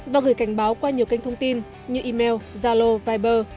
và gửi cảnh báo qua nhiều kênh thông tin như email zalo viber